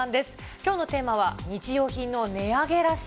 きょうのテーマは日用品の値上げラッシュ。